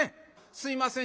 「すいません